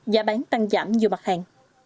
giá bán tăng giảm nhiều mặt hàng